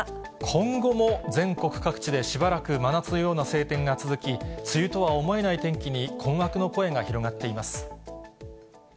今後も全国各地で、しばらく真夏のような晴天が続き、梅雨とは思えない天気に困惑の声